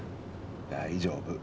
大丈夫。